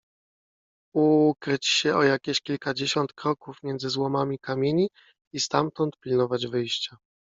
Uukryć się o jakieś kilkadziesiąt kroków między złomami kamieni i stamtąd pilnować wyjścia.